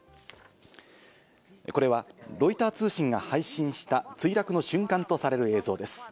これはロイター通信が配信した墜落の瞬間とされる映像です。